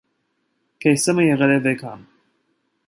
Քեյսեմը եղել է վեգան։